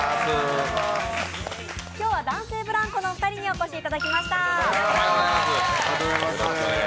今日は男性ブランコのお二人にお越しいただきました。